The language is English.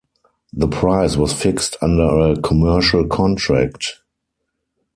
The price was fixed under a commercial contract.